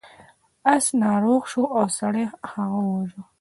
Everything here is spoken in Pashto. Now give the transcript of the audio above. اس ناروغ شو او سړي هغه وواژه.